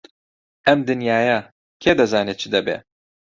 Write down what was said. ئەمە دنیایە، کێ دەزانێ چ دەبێ!